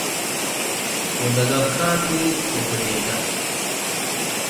ዎደገምከ ቱ ዎ ፈዴከ።